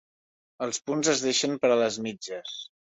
Els punts es deixen per a les mitges.